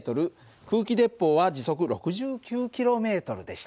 空気鉄砲は時速６９ｋｍでした。